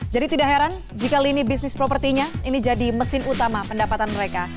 tidak heran jika lini bisnis propertinya ini jadi mesin utama pendapatan mereka